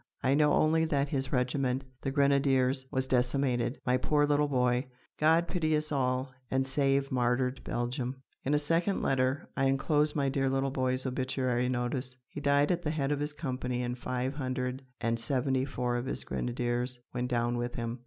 I know only that his regiment, the Grenadiers, was decimated. My poor little boy! God pity us all, and save martyred Belgium!" In a second letter: "I enclose my dear little boy's obituary notice. He died at the head of his company and five hundred and seventy four of his Grenadiers went down with him.